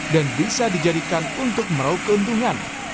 dan bisa dijadikan untuk merauh keuntungan